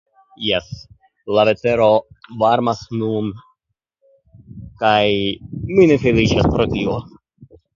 Jes, la vetero varmas nun kaj mi ne feliĉas pro tio.